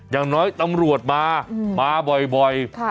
อย่างน้อยตำรวจมามาบ่อย